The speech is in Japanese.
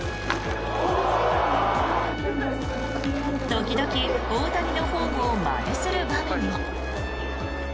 時々、大谷のフォームをまねする場面も。